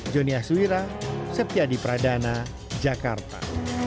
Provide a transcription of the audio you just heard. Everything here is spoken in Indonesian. joni aswira septyadipradana jakarta